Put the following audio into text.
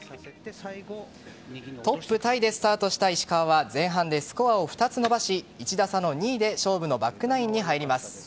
トップタイでスタートした石川は前半でスコアを２つ伸ばし１打差の２位で勝負のバックナインに入ります。